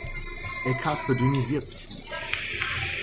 Eckhart verdünnisiert sich lieber.